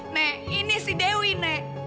nek ini si dewi nek